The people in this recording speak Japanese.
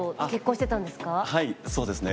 そうですね。